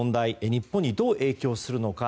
日本にどう影響するのか。